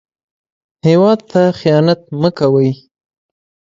هېواد ته مه خيانت کوئ